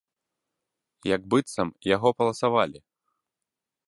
Як быццам яго паласавалі.